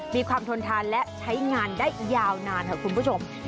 ทนทานและใช้งานได้ยาวนานค่ะคุณผู้ชม